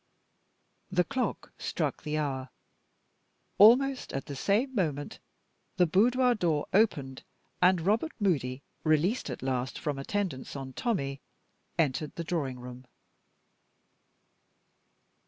The clock struck the hour. Almost at the same moment the boudoir door opened, and Robert Moody, released at last from attendance on Tommie, entered the drawing room.